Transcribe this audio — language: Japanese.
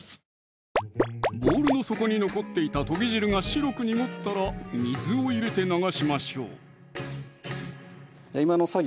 ボウルの底に残っていたとぎ汁が白く濁ったら水を入れて流しましょう今の作業